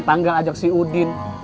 tanggal ajak si udin